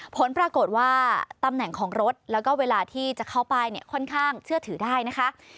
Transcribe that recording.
ผลปรากฏว่าตำแหน่งของรถแล้วก็เวลาที่จะเข้าป้ายเนี่ยค่อนข้างเชื่อถือได้นะคะ